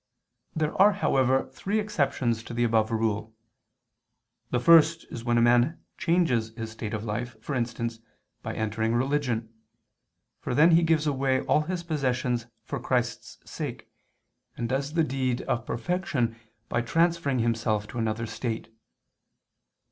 There are, however, three exceptions to the above rule. The first is when a man changes his state of life, for instance, by entering religion, for then he gives away all his possessions for Christ's sake, and does the deed of perfection by transferring himself to another state.